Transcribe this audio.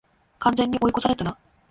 完全に追い越されたな